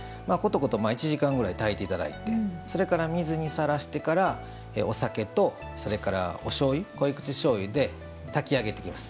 １時間くらい、たいていただいてそれから水にさらしてからお酒とそれから濃い口しょうゆで炊き上げていきます。